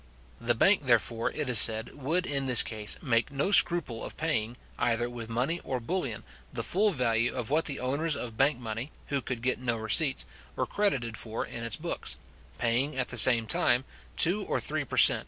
The bank, therefore, it is said, would in this case make no scruple of paying, either with money or bullion, the full value of what the owners of bank money, who could get no receipts, were credited for in its books; paying, at the same time, two or three per cent.